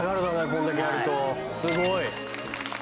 こんだけやるとすごい！